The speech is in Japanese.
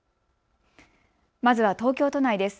まずは東京都内です。